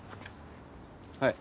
はい。